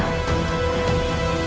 kanuragannya cukup tinggi